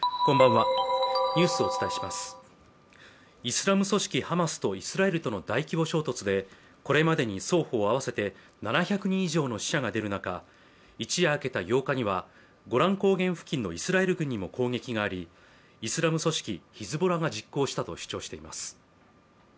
イスラム組織ハマスとイスラエルとの大規模衝突でこれまでに双方合わせて７００人以上の死者が出る中一夜明けた８日にはゴラン高原付近のイスラエル軍にも攻撃がありイスラム組織ヒズボラが実行したと主張しています